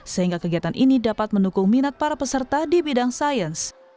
sehingga kegiatan ini dapat mendukung minat para peserta di bidang sains